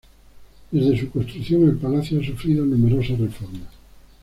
Desde su construcción, el palacio ha sufrido numerosas reformas.